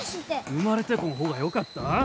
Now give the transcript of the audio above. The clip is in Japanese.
生まれてこん方がよかった？